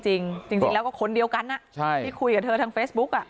จริงแล้วก็คนเดียวกันที่คุยกับเธอทางเฟซบุ๊ก